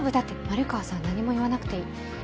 丸川さんは何も言わなくていい。